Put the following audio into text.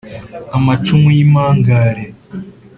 amacumu y’ impangare